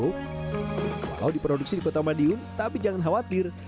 walau diproduksi di kota madiun tapi jangan khawatir